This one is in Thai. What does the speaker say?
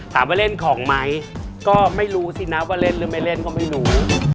ถามว่าเล่นของไหมก็ไม่รู้สินะว่าเล่นหรือไม่เล่นก็ไม่รู้